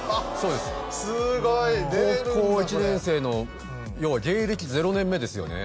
１年生の要は芸歴０年目ですよね